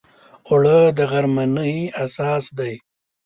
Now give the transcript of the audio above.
اوړه د غرمنۍ اساس دی